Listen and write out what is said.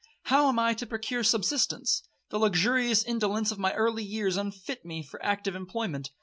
how am I to procure subsistence? The luxurious indolence of my early years unfit me for active employment.